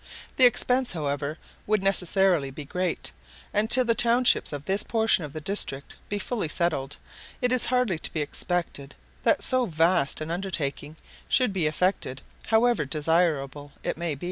The expense, however, would necessarily be great; and till the townships of this portion of the district be fully settled, it is hardly to be expected that so vast an undertaking should be effected, however desirable it may be.